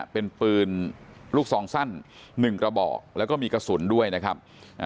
เป็นปืนลูกซองสั้น๑กระบอกแล้วก็มีกระสุนด้วยนะครับ